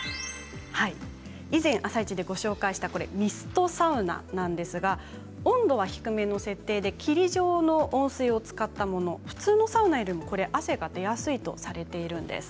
以前「あさイチ」でご紹介したミストサウナのなんですが温度は低めの設定で霧状の温水を使ったもの普通のサウナより汗が出やすいとされているんです。